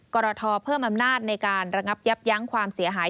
กรทเพิ่มอำนาจในการระงับยับยั้งความเสียหาย